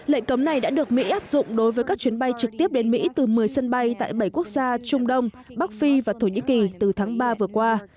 lệnh cấm này đã được mỹ áp dụng đối với các chuyến bay trực tiếp đến mỹ từ một mươi sân bay tại bảy quốc gia trung đông bắc phi và thổ nhĩ kỳ từ tháng ba vừa qua